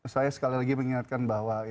saya sekali lagi mengingatkan bahwa